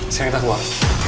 saya ingin keluar